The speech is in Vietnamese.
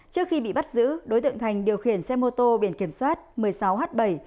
trước khi bị bắt giữ đối tượng thành điều khiển xe mô tô biển kiểm soát một mươi sáu h bảy năm nghìn bốn trăm tám mươi bảy